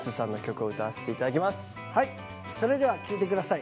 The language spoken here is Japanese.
それでは聴いて下さい。